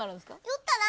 酔ったら？